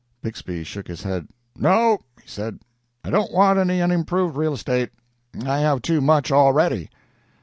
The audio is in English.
Bixby shook his head. "No," he said, "I don't want any unimproved real estate. I have too much already."